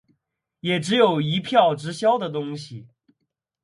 也只有一票直销的东西